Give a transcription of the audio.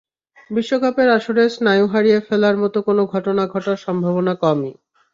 বিশ্বকাপের আসরে স্নায়ু হারিয়ে ফেলার মতো কোনো ঘটনা ঘটার সম্ভাবনা কমই।